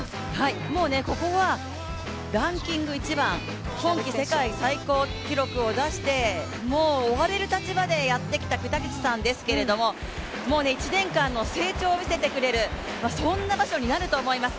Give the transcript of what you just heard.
ここはランキング一番、今季世界最高記録を出してもう追われる立場でやってきた北口さんですけど１年間の成長を見せてくれる、そんな場所になると思います。